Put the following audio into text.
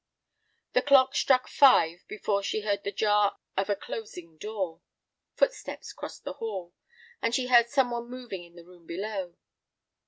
The clock struck five before she heard the jar of a closing door. Footsteps crossed the hall, and she heard some one moving in the room below.